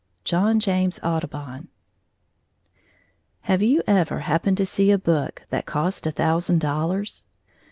JOHN JAMES AUDUBON Have you ever happened to see a book that cost a thousand dollars?